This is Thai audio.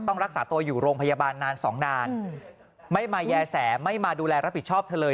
รักษาตัวอยู่โรงพยาบาลนานสองนานไม่มาแย่แสไม่มาดูแลรับผิดชอบเธอเลย